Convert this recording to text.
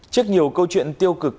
trước nhiều câu chuyện tiêu cực